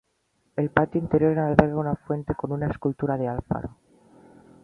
El patio interior alberga una fuente con una escultura de Alfaro.